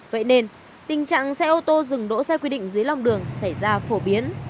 vậy nên tình trạng xe ô tô dừng đỗ xe quy định dưới lòng đường xảy ra phổ biến